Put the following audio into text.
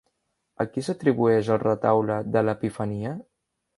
A qui s'atribueix El Retaule de l'Epifania?